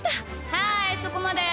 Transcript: はいそこまで！